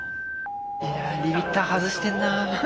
リミッター外してんな。